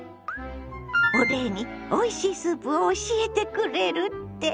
お礼においしいスープを教えてくれるって？